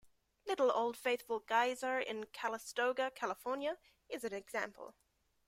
Little Old Faithful Geyser, in Calistoga, California, is an example.